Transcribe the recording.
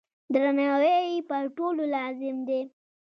درناوی یې پر ټولو لازم دی.